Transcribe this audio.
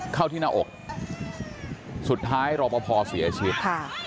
เข้าที่หน้าอกสุดท้ายรอปภเสียชีวิตค่ะ